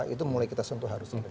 itu mulai kita sentuh harusnya